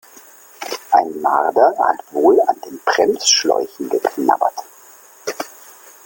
Ein Marder hat wohl an den Bremsschläuchen geknabbert.